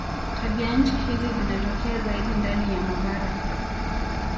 Tabianchi hizi zinatokea zaidi ndani ya mabara.